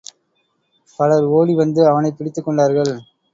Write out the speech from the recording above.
பலர் ஓடி வந்து அவனைப் பிடித்துக் கொண்டார்கள்.